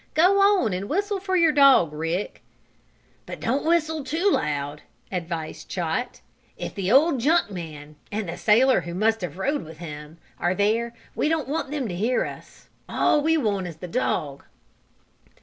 "Go on and whistle for your dog, Rick." "But don't whistle too loud," advised Chot. "If the old junk man, and the sailor who must have rode with him, are there we don't want them to hear us. All we want is the dog."